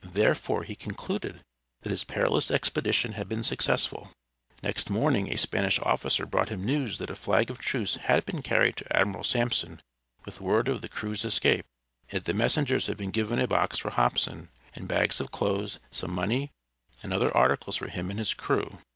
Therefore he concluded that his perilous expedition had been successful. Next morning a Spanish officer brought him news that a flag of truce had been carried to Admiral Sampson with word of the crew's escape, and that the messengers had been given a box for Hobson, and bags of clothes, some money, and other articles for him and his crew.